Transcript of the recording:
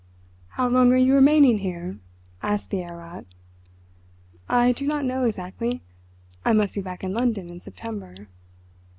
"How long are you remaining here?" asked the Herr Rat. "I do not know exactly. I must be back in London in September."